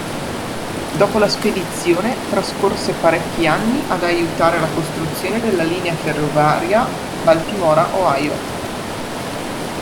Dopo la spedizione, trascorse parecchi anni ad aiutare la costruzione della linea ferroviaria Baltimora-Ohio.